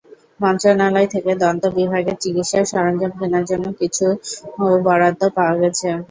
মন্ত্রণালয় থেকে দন্ত বিভাগের চিকিৎসা সরঞ্জাম কেনার জন্য কিছু বরাদ্দ পাওয়া গেছে।